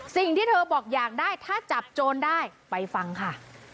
สิ่งที่เธอบอกอยากได้ถ้าจับโจรได้ไปฟังค่ะ